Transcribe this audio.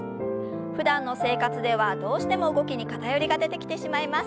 ふだんの生活ではどうしても動きに偏りが出てきてしまいます。